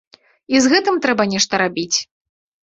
І з гэтым трэба нешта рабіць.